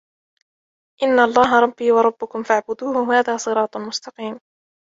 إن الله ربي وربكم فاعبدوه هذا صراط مستقيم